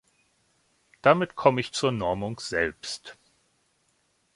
Damit komme ich zur Normung selbst.